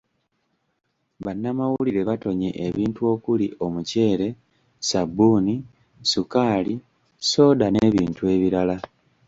Bannamawulire batonye ebintu okuli; Omuceere, Ssabbuuni, ssukaali, ssooda n'ebintu ebirala .